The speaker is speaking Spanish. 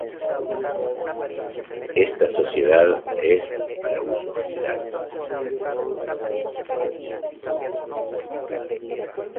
Esta sociedad es para uso general.